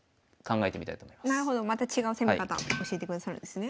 なるほどまた違う攻め方教えてくださるんですね。